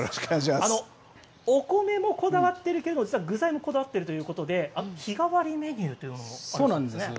お米もこだわっているけど実は具材もこだわっているということで日替わりメニューというのもあるんですね。